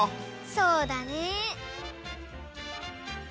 そうだね。